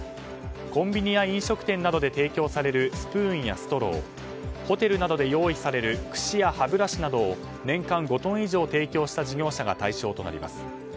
コンビニや飲食店などで提供されるスプーンやストローホテルなどで用意されるくしや歯ブラシなどを年間５トン以上提供した事業者が対象となります。